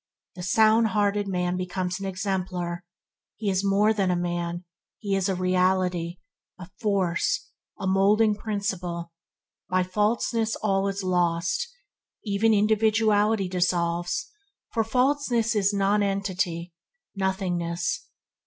The sound hearted man becomes an exemplar; he is more than a man; he is a reality; a force, a moulding principle, by falseness all is lost – even individuality dissolves for falseness is nonentity, nothingness.